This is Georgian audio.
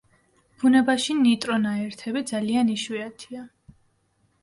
ბუნებაში ნიტრონაერთები ძალიან იშვიათია.